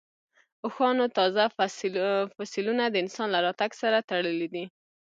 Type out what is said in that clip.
اوښانو تازه فسیلونه د انسان له راتګ سره تړلي دي.